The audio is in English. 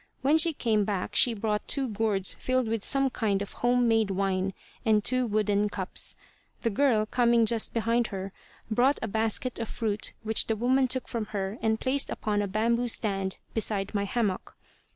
When she came back she brought two gourds filled with some kind of home made wine, and two wooden cups. The girl, coming just behind her, brought a basket of fruit which the woman took from her and placed upon a bamboo stand beside my hammock.